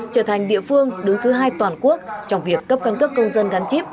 trở thành địa phương đứng thứ hai toàn quốc trong việc cấp căn cước công dân gắn chip